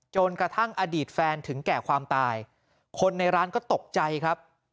จนกระทั่งอดีตแฟนถึงแก่ความตายคนในร้านก็ตกใจครับ